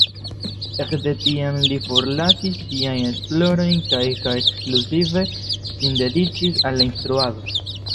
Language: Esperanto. Ekde tiam li forlasis siajn esplorojn kaj ka ekskluzive sin dediĉis al la instruado.